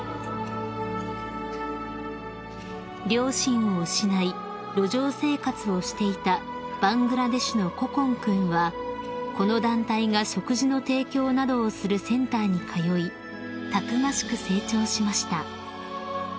［両親を失い路上生活をしていたバングラデシュのココン君はこの団体が食事の提供などをするセンターに通いたくましく成長しました］